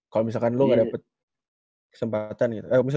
kalo misalkan lu ga dapet kesempatan gitu